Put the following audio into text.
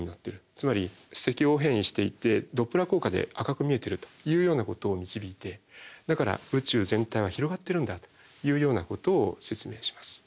つまり赤方偏移していてドップラー効果で赤く見えてるというようなことを導いてだから宇宙全体は広がってるんだというようなことを説明します。